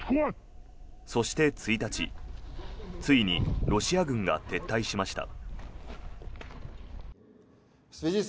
そして、１日ついにロシア軍が撤退しました。